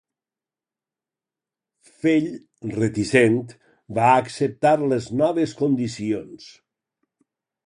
Fell, reticent, va acceptar les noves condicions.